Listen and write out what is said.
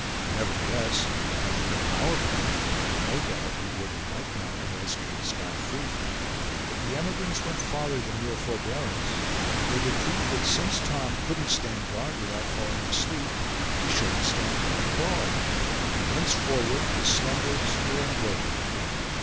Nevertheless had he been of our party, I have no doubt he would in like manner have escaped scot free. But the emigrants went farther than mere forebearance; they decreed that since Tom couldn't stand guard without falling asleep, he shouldn't stand guard at all, and henceforward his slumbers were unbroken.